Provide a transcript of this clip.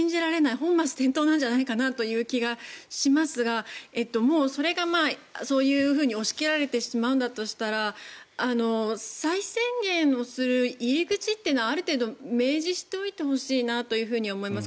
本末転倒なんじゃないかという気がしますがもうそれが、そういうふうに押し切られてしまうんだとしたら再宣言をする入り口っていうのはある程度、明示しておいてほしいなと思います。